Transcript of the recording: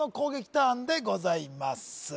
ターンでございます